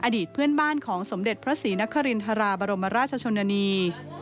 อดีตเพื่อนบ้านของสมเด็จพระศรีนครินทราบรมราชชนนานี